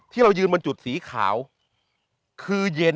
ที่เรายืนบนจุดสีขาวคือเย็น